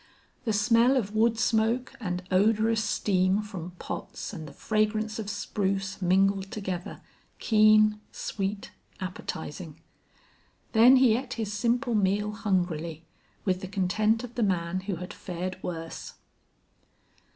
The smell of wood smoke and odorous steam from pots and the fragrance of spruce mingled together, keen, sweet, appetizing. Then he ate his simple meal hungrily, with the content of the man who had fared worse.